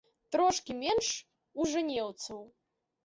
Трошкі менш у жэнеўцаў.